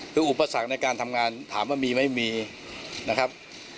คืออุปสรรคในการทำงานถามว่ามีไหมมีนะครับ